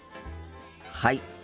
はい。